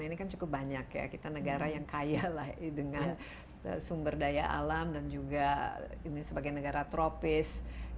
ini kan cukup banyak ya kita negara yang kaya lah dengan sumber daya alam dan juga ini sebagai negara tropis